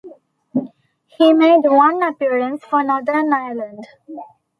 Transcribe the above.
He made one appearance for Northern Ireland.